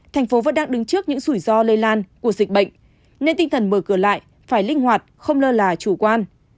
thành phố vẫn đang đứng trước những rủi ro lây lan của dịch bệnh nên tinh thần mở cửa lại phải linh hoạt không lơ là chủ quan